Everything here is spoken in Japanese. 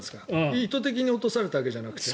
意図的に落とされたんじゃなくて？